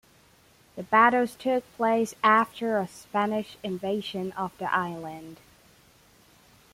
The battles took place after a Spanish invasion of the island.